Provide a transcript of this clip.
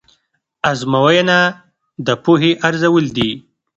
ازموینه د پوهې ارزول دي.